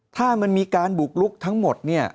ถ้ามันมีการบุกลุกทั้งหมดเนี่ย